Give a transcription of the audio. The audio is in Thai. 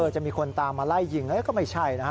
จะมีคนตามมาไล่ยิงแล้วก็ไม่ใช่นะฮะ